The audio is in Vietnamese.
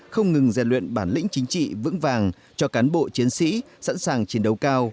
không ngừng rèn luyện bản lĩnh chính trị vững vàng cho cán bộ chiến sĩ sẵn sàng chiến đấu cao